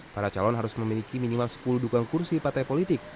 para calon harus memiliki minimal sepuluh dukan kursi partai politik